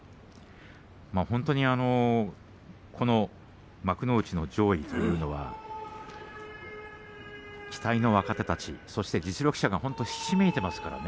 本当にこの幕内の上位というのは期待の若手たちそして実力者がひしめいていますからね。